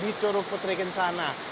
di curug putri kencana